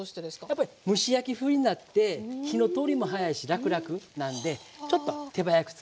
やっぱり蒸し焼き風になって火の通りも早いしらくらくなんでちょっと手早く作るために。